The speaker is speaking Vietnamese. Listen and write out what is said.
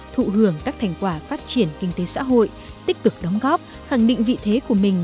thụ hưởng các thành quả phát triển kinh tế xã hội tích cực đóng góp khẳng định vị thế của mình